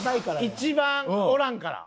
一番おらんから。